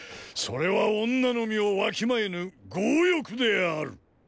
それは女の身をわきまえぬ“強欲”である。